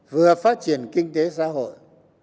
vừa phát triển kinh tế xã hội